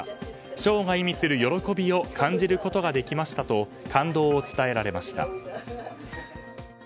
ショーが意味する喜びを感じることができましたと感動を伝えられました。